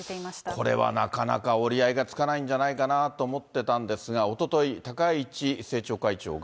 これはなかなか折り合いがつかないんじゃないかなと思ってたんですが、おととい、高市政調会長が。